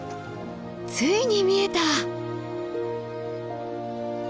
ついに見えた！